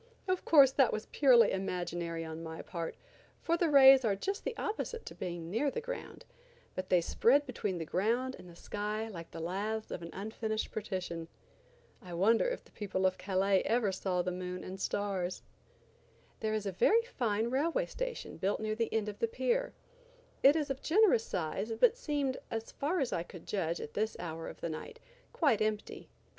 Of course, that was purely imaginary on my part, for the rays are just the opposite to being near the ground, but they spread between the ground and the sky like the laths of an unfinished partition. I wonder if the people of Calais ever saw the moon and stars. There is a very fine railway station built near the end of the pier. It is of generous size, but seemed, as far as I could judge, at this hour of the night, quite empty.